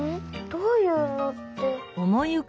どういうのって。